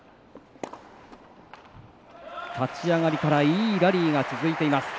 立ち上がりからいいラリーが続いています。